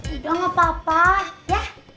udah gak apa apa ya